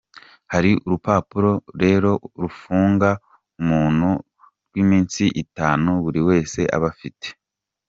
Hari urupapuro rero rufunga umuntu rw’iminsi itanu buri wese aba afite.